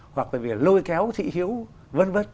hoặc vì lôi kéo thị hiếu v v